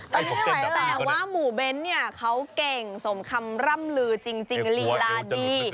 แต่ว่าหมู่เบ้นเนี่ยเค้าเก่งสมคำล่ำลือจริงรีลาดี